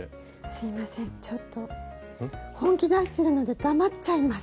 すいませんちょっと本気出しているので黙っちゃいます。